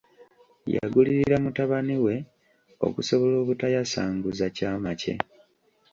Yagulirira mutabani we okusobola obutayasanguza kyama kye.